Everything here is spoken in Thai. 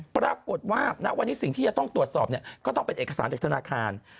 ปรากฏว่าณวันนี้สิ่งที่จะต้องตรวจสอบเนี่ยก็ต้องเป็นเอกสารจากธนาคาร